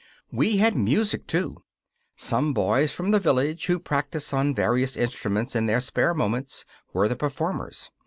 We had music, too. Some boys from the village, who practise on various instruments in their spare moments, were the performers.